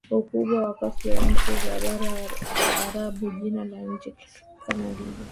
kubwa kati ya nchi za Bara Arabu Jina la nchi limetokana na lile